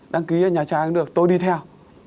đăng ký nhà trai cũng được tôi đi theo